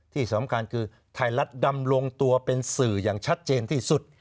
ที่สำคัญคือไทยรัฐดำลงตัวเป็นสื่ออย่างชัดเจนที่สุด